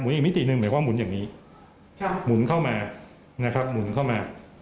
อีกมิติหนึ่งหมายความหมุนอย่างนี้หมุนเข้ามานะครับหมุนเข้ามา